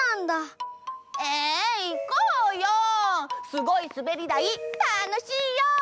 すごいすべりだいたのしいよ！